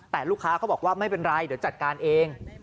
แต่ลูกค้าเขาบอกว่าไม่เป็นไรเดี๋ยวจัดการเอง